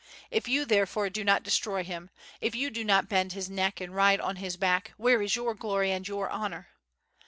If you therefore do not destroy him, if you do not bend his neck and ride on his back, where is your glory and your honor?